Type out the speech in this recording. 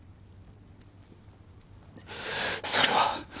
それは。